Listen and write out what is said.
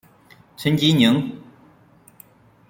陈吉宁。